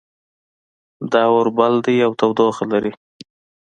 دا اور بل ده او تودوخه لري